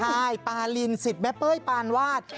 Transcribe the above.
ใช่ปาลินสิทธิ์แม่เป้ยปานวาด